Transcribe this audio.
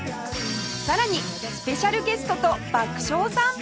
さらにスペシャルゲストと爆笑散歩